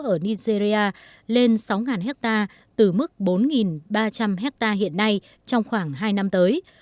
ở nigeria lên sáu hectare từ mức bốn ba trăm linh hectare hiện nay trong khoảng hai năm tới